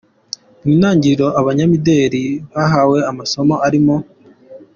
Mu ntangiriro abanyamideli bahawe amasomo arimo.